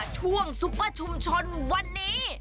ซุปเปอร์ชุมชนวันนี้